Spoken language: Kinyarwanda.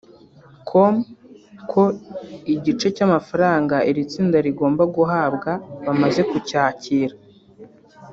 com ko igice cy’amafaranga iri tsinda rigomba guhabwa bamaze kucyakira